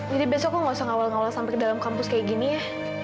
jadi besok kok nggak usah ngawal ngawal sampai ke dalam kampus kayak gini ya